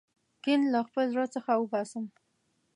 کین له خپل زړه څخه وباسم.